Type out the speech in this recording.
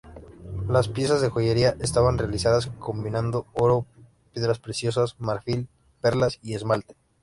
Las piezas de joyería estaban realizadas combinando oro, piedras preciosas, marfil, perlas y esmalte.